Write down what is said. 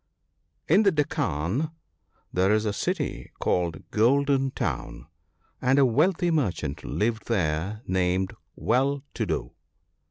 N the Deccan there is a city called Golden town, and a wealthy merchant lived there named Well to do.